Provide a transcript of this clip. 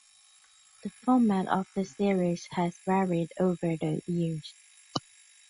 The format of the series has varied over the years.